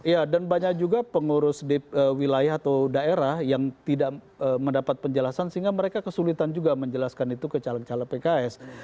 ya dan banyak juga pengurus wilayah atau daerah yang tidak mendapat penjelasan sehingga mereka kesulitan juga menjelaskan itu ke caleg caleg pks